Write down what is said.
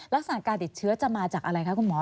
ลักษณะการติดเชื้อจะมาจากอะไรคะคุณหมอ